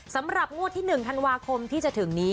สำหรับงวดที่๑ธันวาคมที่จะถึงนี้